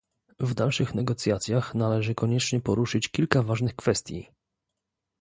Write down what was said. W dalszych negocjacjach należy koniecznie poruszyć kilka ważnych kwestii